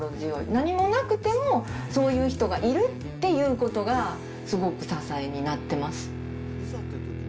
何もなくても、そういう人がいるっていうことがすごく支えになってます。